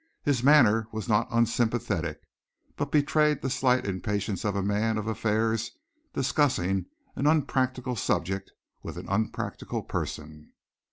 His manner was not unsympathetic, but betrayed the slight impatience of a man of affairs discussing an unpractical subject with an unpractical person.